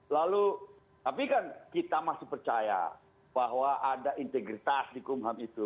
lalu tapi kan kita masih percaya bahwa ada integritas di kumham itu